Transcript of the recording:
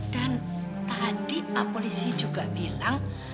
dan tadi pak polisi juga bilang